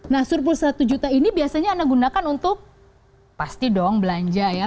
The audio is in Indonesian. nah surplus satu juta ini biasanya anda gunakan untuk pasti dong belanja ya